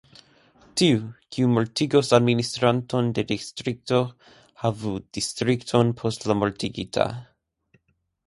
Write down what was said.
Tiu, kiu mortigos administranton de distrikto, havu distrikton post la mortigita.